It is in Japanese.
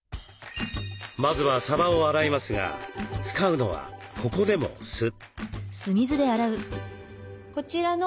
まずはさばを洗いますが使うのはここでも酢。